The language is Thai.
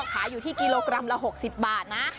ขายอยู่ที่กิโลกรัมละ๖๐บาทนะ